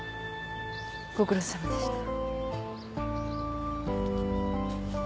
ご苦労さまでした。